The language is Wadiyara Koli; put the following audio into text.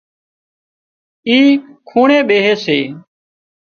اِي کونڻي ٻيهي سي